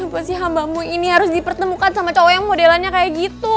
apa sih hambamu ini harus dipertemukan sama cowok yang modelannya kayak gitu